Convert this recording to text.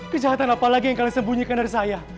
kejahatan apalagi yang kalian sembunyikan dari saya